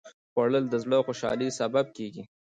خوړل د زړه خوشالي سبب کېږي